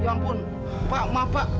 ya ampun pak maaf pak